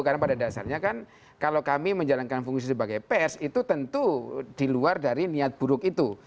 karena pada dasarnya kan kalau kami menjalankan fungsi sebagai pers itu tentu di luar dari niat buruk itu